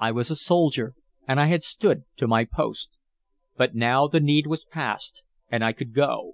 I was a soldier, and I had stood to my post; but now the need was past, and I could go.